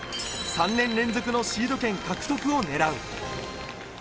３年連続のシード権獲得を狙う。